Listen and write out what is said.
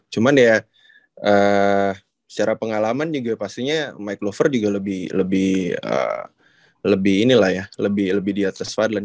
cuman ya secara pengalaman juga pastinya mike glover juga lebih lebih ini lah ya lebih lebih diatas fadlan